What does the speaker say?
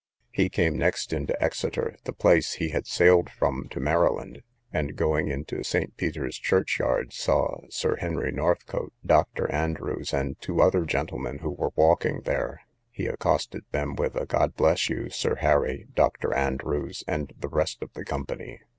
He came next into Exeter, the place he had sailed from to Maryland, and going into St. Peter's church yard, saw Sir Henry Northcote, Dr. Andrews, and two other gentlemen, who were walking there; he accosted them with a God bless you, Sir Harry, Dr. Andrews, and the rest of the company.